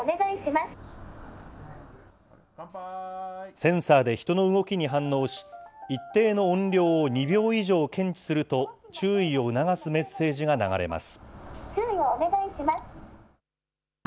センサーで人の動きに反応し、一定の音量を２秒以上検知すると、注意を促すメッセージが流れます。